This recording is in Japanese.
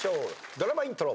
ドラマイントロ。